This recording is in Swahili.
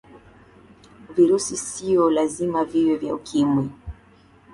virusi siyo lazima viwe vya ukimwi